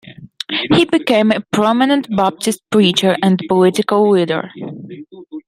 He became a prominent Baptist preacher and political leader.